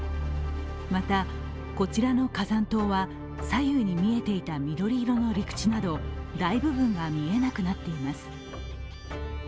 また、こちらの火山島は左右に見えていた緑色の陸地など大部分が見えなくなっています。